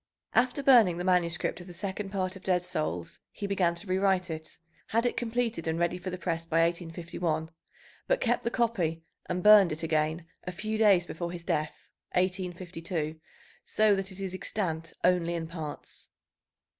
After burning the manuscript of the second part of Dead Souls, he began to rewrite it, had it completed and ready for the press by 1851, but kept the copy and burned it again a few days before his death (1852), so that it is extant only in parts.